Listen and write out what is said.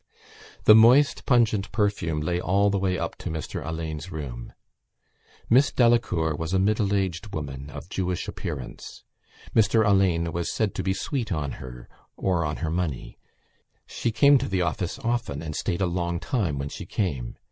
The moist pungent perfume lay all the way up to Mr Alleyne's room. Miss Delacour was a middle aged woman of Jewish appearance. Mr Alleyne was said to be sweet on her or on her money. She came to the office often and stayed a long time when she came.